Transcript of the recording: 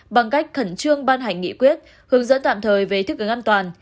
bằng cách khẩn trương ban hành nghị quyết hướng dẫn tạm thời về thích ứng an toàn